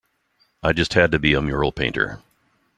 I just had to be a mural painter.